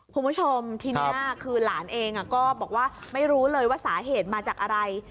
คุณผู้ชมทีนี้คือหลานเองก็บอกว่าไม่รู้เลยว่าสาเหตุมาจากอะไร